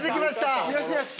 よしよし！